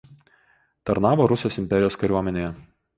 Tarnavo Rusijos imperijos kariuomenėje.